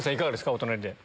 お隣で。